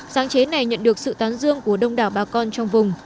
sáng chế này nhận được sự tán dương của đông đảo bà con trong vùng